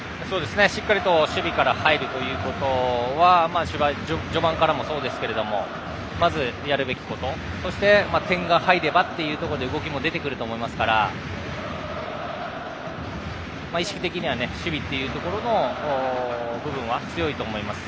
守備から入るということは序盤からもそうですけど、まずやるべきことそして点が入れば動きも出てくると思いますから意識的には守備の部分は強いと思います。